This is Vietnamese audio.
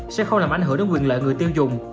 sẽ không làm ảnh hưởng đến quyền lợi người tiêu dùng